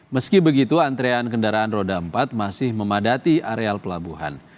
meski begitu antrean kendaraan roda empat masih memadati areal pelabuhan